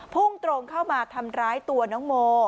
พุ่งตรงเข้ามาทำร้ายตัวน้องโม